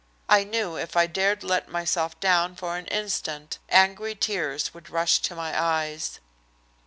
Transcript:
I knew if I dared let myself down for an instant angry tears would rush to my eyes.